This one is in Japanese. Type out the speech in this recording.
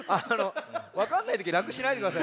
わかんないときらくしないでください。